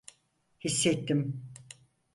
Hissettim.